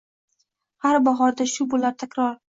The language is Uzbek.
Har bahorda shu bo’lar takror